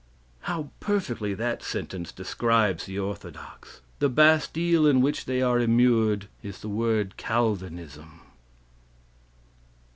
How perfectly that sentence describes the orthodox. The Bastille in which they are immured is the word "Calvinism."